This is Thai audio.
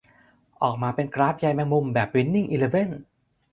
ออกมาเป็นกราฟใยแมงมุมแบบวินนิ่งอีเลเว่น